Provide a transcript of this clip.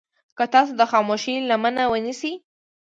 که تاسې د خاموشي لمنه ونيسئ.